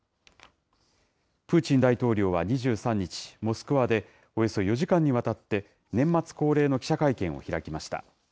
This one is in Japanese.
プーチン大統領は２３日、モスクワで、およそ４時間にわたって年末恒例の記者会見を開きました。